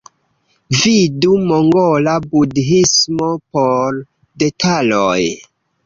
Vidu mongola Budhismo por detaloj.